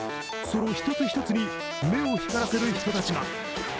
その一つ一つに目を光らせる人たちが。